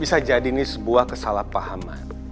bisa jadi ini sebuah kesalahpahaman